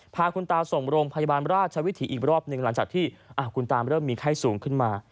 พาคุณตาส่งโรงพยาบาลราชวิถีอีกรอบหนึ่งหลังจากที่คุณตาเริ่มมีไข้สูงขึ้นมา